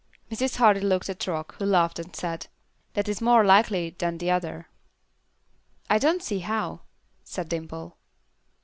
Mrs. Hardy looked at Rock, who laughed and said, "That is more likely than the other." "I don't see how," said Dimple.